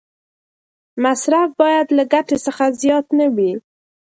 مصرف باید له ګټې څخه زیات نه وي.